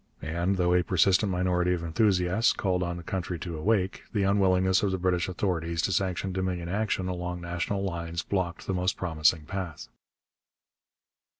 And, though a persistent minority of enthusiasts called on the country to awake, the unwillingness of the British authorities to sanction Dominion action along national lines blocked the most promising path.